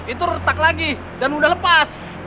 itu retak lagi dan udah lepas